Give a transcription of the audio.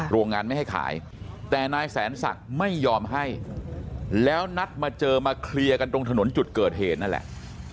โรงงานไม่ให้ขายแต่นายแสนศักดิ์ไม่ยอมให้แล้วนัดมาเจอมาเคลียร์กันตรงถนนจุดเกิดเหตุนั่นแหละ